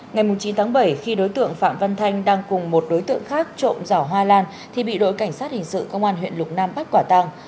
ngày chín tháng bảy khi đối tượng phạm văn thanh đang cùng một đối tượng khác trộm giỏ hoa lan thì bị đội cảnh sát hình sự công an huyện lục nam bắt quả tàng